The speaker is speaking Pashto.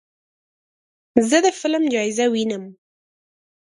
زه د فلم جایزه وینم.